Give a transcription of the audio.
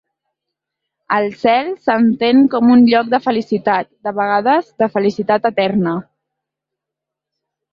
El cel s'entén com un lloc de felicitat, de vegades de felicitat eterna.